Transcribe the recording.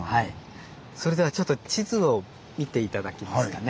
それではちょっと地図を見て頂きますかね。